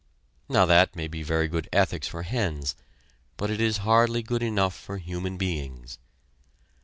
Now that may be very good ethics for hens, but it is hardly good enough for human beings.